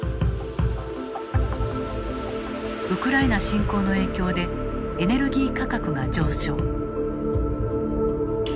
ウクライナ侵攻の影響でエネルギー価格が上昇。